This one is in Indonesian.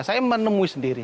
saya menemui sendiri